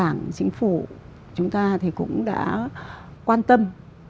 đảng chính phủ chúng ta thì cũng đã quan tâm